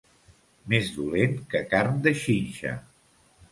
Més dolent que carn de xinxa.